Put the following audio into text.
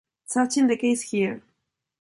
Such is the case here.